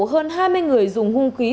hơn hai mươi người dùng hung khí